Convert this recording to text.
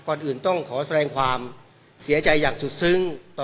ก่อนอื่นต้องขอแสดงความเสียใจอย่างสุดซึ้ง